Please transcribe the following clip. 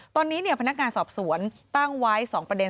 ตอนนี้พนักงานสอบสวนตั้งไว้๒ประเด็น